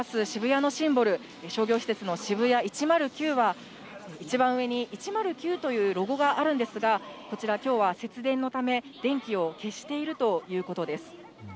渋谷のシンボル、商業施設のシブヤ１０９は、一番上に１０９というロゴがあるんですが、こちら、きょうは節電のため、電気を消しているということです。